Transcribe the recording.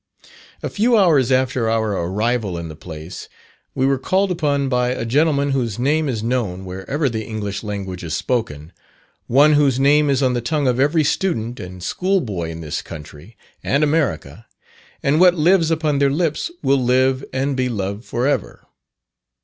A few hours after our arrival in the place, we were called upon by a gentleman whose name is known wherever the English language is spoken one whose name is on the tongue of every student and school boy in this country and America, and what lives upon their lips will live and be loved for ever.